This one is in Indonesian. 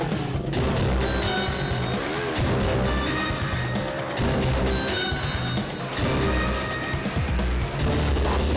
lo udah berasal dari gatot ya lo